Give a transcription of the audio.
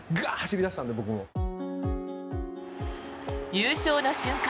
優勝の瞬間